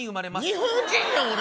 日本人や、俺。